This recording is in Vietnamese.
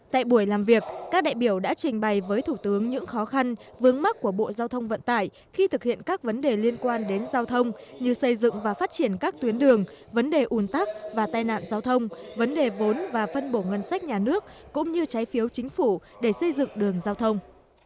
tại buổi làm việc các đại biểu đã trình bày với thủ tướng những khó khăn vướng mắt của bộ giao thông vận tải khi thực hiện các vấn đề liên quan đến giao thông như xây dựng và phát triển các tuyến đường vấn đề un tắc và tai nạn giao thông vấn đề vốn và phân bổ ngân sách nhà nước cũng như trái phiếu chính phủ để xây dựng đường giao thông